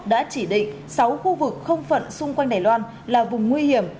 đã chỉ định sáu khu vực không phận xung quanh đài loan là vùng nguy hiểm